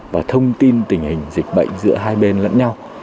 và thông tin tình hình dịch bệnh giữa hai bên lẫn nhau